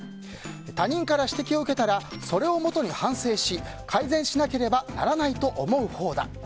他人から指摘を受けたらそれをもとに反省し改善しなければならないと思うほうだ。